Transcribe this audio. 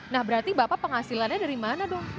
nah berarti bapak penghasilannya dari mana dong